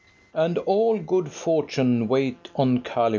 And all good fortune wait on Calymath!